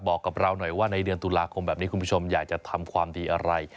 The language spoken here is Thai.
บอกกับเราหน่อยว่าในเดือนตุลาคมแบบนี้คุณผู้ชมอยากจะทำความดีอะไร